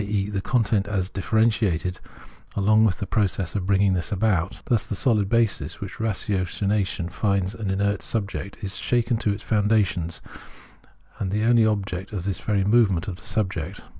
e. the content as differentiated along with the pro cess of bringing this about. Thus the sohd basis, which ratiocination found in an inert subject, is shaken to its foundations, and the only object is this very movement of the subject.